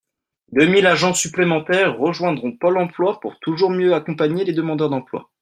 Deux mille agents supplémentaires rejoindront Pôle emploi pour toujours mieux accompagner les demandeurs d’emploi.